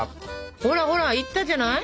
ほらほらいったじゃない！